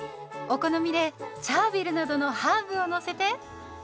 お好みでチャービルなどのハーブをのせて。